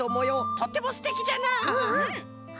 とってもすてきじゃなあ！